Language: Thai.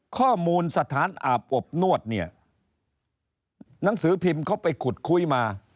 ข้อมูลสถานอาบอบนวดเนี่ยหนังสือพิมพ์เขาไปขุดคุยมา